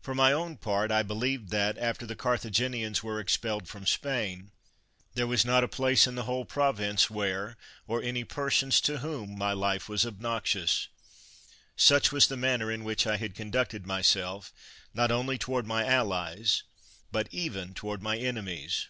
For my own part, I believed that, after the Carthaginians were expelled from Spain, there was not a place in the whole prov ince where, or any i)ersons to whom, my life was obnoxious; such was the manner in which I had conducted myself, not only toward my allies, but even toward my enemies.